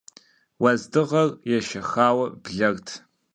Уэздыгъэр ешэхауэ блэрт.